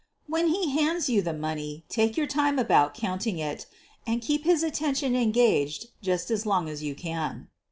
When he hands you the money take your time about count ing it, and keep his attention engaged just as long as you can."